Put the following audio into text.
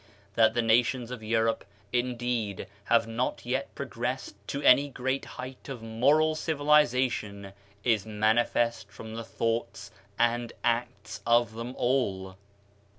That the nations of Europe, indeed, have not yet progressed to any great height of moral civilization is manifest from the thoughts and acts of them all.